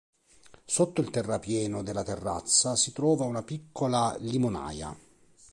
Sotto il terrapieno della terrazza si trova una piccola limonaia.